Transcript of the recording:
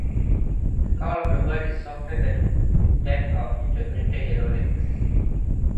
The call of this bird is softer than that of the greater yellowlegs.